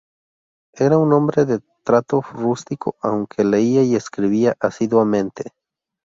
Era un hombre de trato rústico, aunque leía y escribía asiduamente.